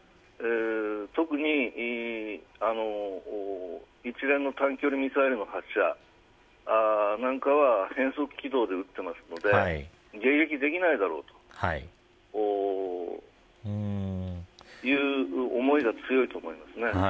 特に一連の短距離ミサイルの発射なんかは変則軌道で撃っていますので迎撃できないだろうという思いが強いと思いますね。